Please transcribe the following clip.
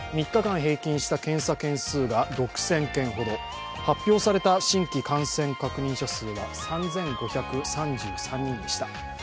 ３日間平均した検査件数が６０００件ほど発表された新規感染確認者数は３５３３人でした。